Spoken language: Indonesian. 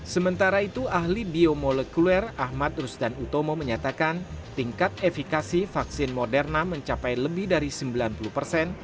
sementara itu ahli biomolekuler ahmad rusdan utomo menyatakan tingkat efikasi vaksin moderna mencapai lebih dari sembilan puluh persen